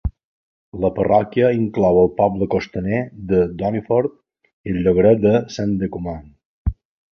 La parròquia inclou el poble costaner de Doniford i el llogaret de Saint Decumans.